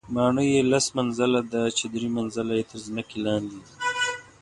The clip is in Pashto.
ماڼۍ یې لس منزله ده چې درې منزله یې تر ځمکې لاندې دي.